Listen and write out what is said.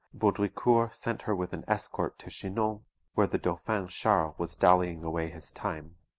Baudricourt sent her with an escort to Chinon, where the Dauphin Charles was dallying away his time.